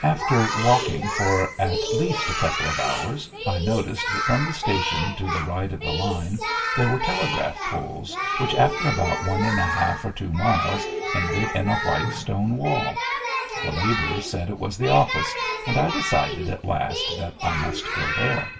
After walking for at least a couple of hours I noticed that from the station to the right of the line there were telegraph poles which after about one and a half or two miles ended in a white stone wall. The labourers said it was the office, and I decided at last that I must go there.